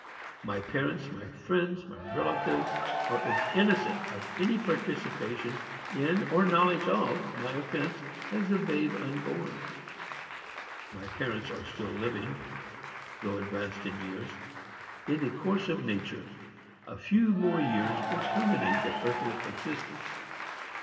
My parents, my friends, my relatives, are as innocent of any participation in or knowledge of my offence as the babe unborn. My parents are still living, though advanced in years, and, in the course of nature, a few more years will terminate their earthly existence.